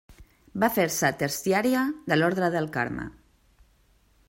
Va fer-se terciària de l'Orde del Carme.